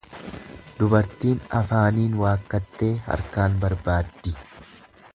Dubartiin afaaniin waakkattee harkaan barbaaddi.